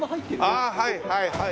ああはいはいはい。